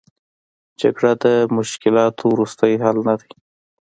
جګړه د مشکلاتو وروستۍ حل نه دی.